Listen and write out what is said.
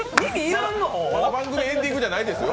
番組のエンディングじゃないですよ。